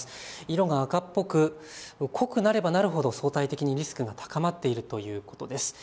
色が赤っぽく濃くなればなるほど相対的にリスクが高まっているということです。